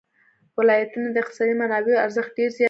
ولایتونه د اقتصادي منابعو ارزښت ډېر زیاتوي.